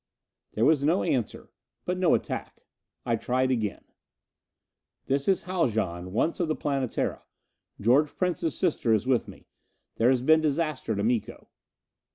There was no answer, but no attack. I tried again. "This is Haljan, once of the Planetara. _George Prince's sister is with me. There has been disaster to Miko.